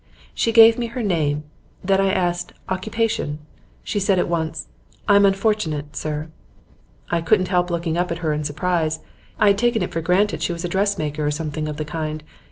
She gave me her name, then I asked "Occupation?" She said at once, "I'm unfortunate, sir." I couldn't help looking up at her in surprise; I had taken it for granted she was a dressmaker or something of the kind.